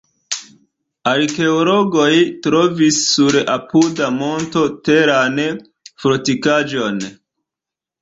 Arkeologoj trovis sur apuda monto teran fortikaĵon.